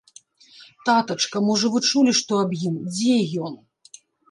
Татачка, можа, вы чулі што аб ім, дзе ён?